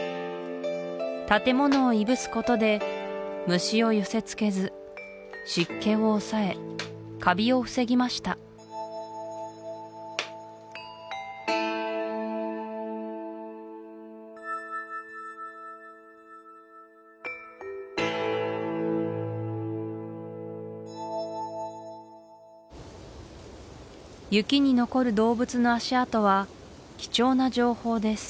建物をいぶすことで虫を寄せつけず湿気を抑えカビを防ぎました雪に残る動物の足跡は貴重な情報です